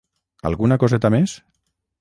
Alguna coseta més?